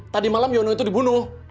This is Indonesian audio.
tadi malam yono itu dibunuh